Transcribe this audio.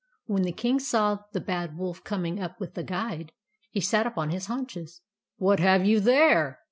When the King saw the Bad Wolf coming with the Guide, he sat up on his haunches. " What have you there